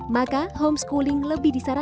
maka homeschooling lebih disenjata